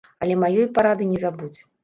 Але маёй парады не забудзь.